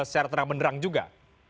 secara terang beneran juga